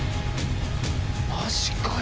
マジかよ